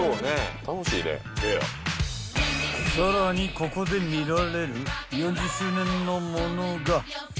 ［さらにここで見られる４０周年のものが］